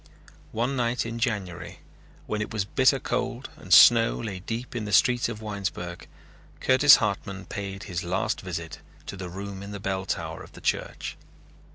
One night in January when it was bitter cold and snow lay deep on the streets of Winesburg Curtis Hartman paid his last visit to the room in the bell tower of the church.